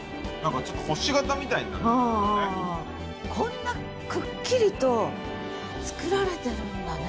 こんなくっきりとつくられてるんだね。